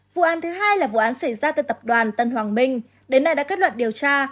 vụ án thứ hai là vụ án xảy ra từ tập đoàn tân hoàng minh đến nay đã kết luận điều tra